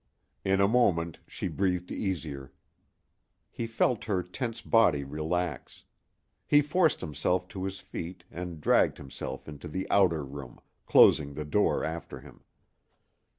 In a moment she breathed easier. He felt her tense body relax. He forced himself to his feet and dragged himself into the outer room, closing the door after him.